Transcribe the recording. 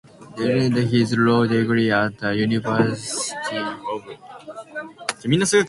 Demmler earned his law degree at the University of Pittsburgh.